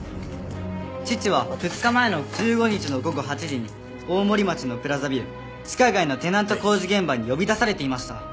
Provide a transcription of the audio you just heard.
父は２日前の１５日の午後８時に大森町のプラザビル地下街のテナント工事現場に呼び出されていました。